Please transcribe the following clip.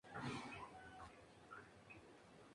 Simboliza bendición, creación, dualidad y pluralidad.